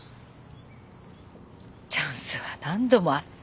チャンスは何度もあった。